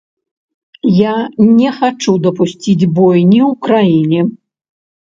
Я не хачу дапусціць бойні ў краіне.